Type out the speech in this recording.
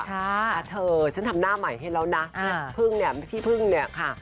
อ่าเธอฉันทำหน้าใหม่ให้แล้วนะแม่พึ่งเนี่ยพี่พึ่งเนี่ยค่ะ